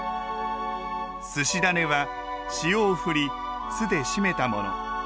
すし種は塩をふり酢でしめたもの。